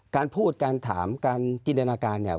การพูดการถามการจินตนาการเนี่ย